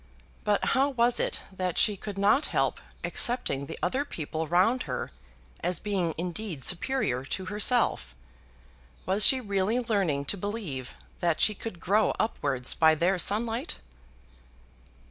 But how was it that she could not help accepting the other people round her as being indeed superior to herself? Was she really learning to believe that she could grow upwards by their sunlight?